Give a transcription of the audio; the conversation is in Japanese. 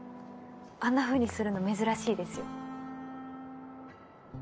あんな風にするの珍しいですよ。